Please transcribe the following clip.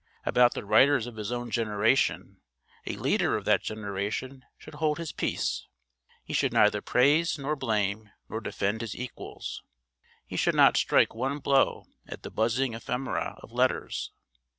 About the writers of his own generation a leader of that generation should hold his peace, he should neither praise nor blame nor defend his equals; he should not strike one blow at the buzzing ephemerae of letters.